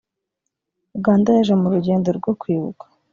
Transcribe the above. uganda yaje mu urugendo rwo kwibuka